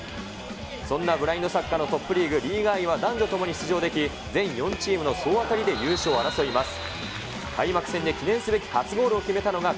そんなブラインドサッカーのトップリーグ、リーガアイは男女ともに出場でき、全４チームの総当たりで優勝を争います。